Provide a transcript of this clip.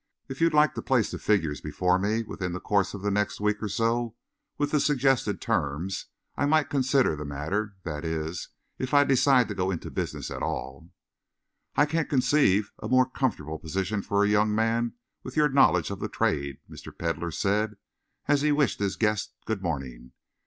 "If you like to place the figures before me within the course of the next week or so, and the suggested terms, I might consider the matter that is, if I decide to go into business at all." "I can't conceive a more comfortable position for a young man with your knowledge of the trade," Mr. Pedlar said, as he wished his guest good morning.